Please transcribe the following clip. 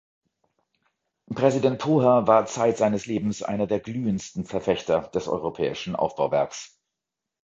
Präsident Poher war zeit seines Lebens einer der glühendsten Verfechter des europäischen Aufbauwerks.